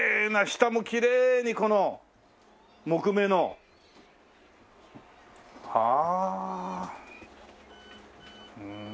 下もきれいにこの木目の。はあ。ふん。